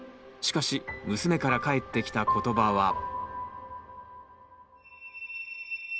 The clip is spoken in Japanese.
しかし娘から返ってきた言葉は。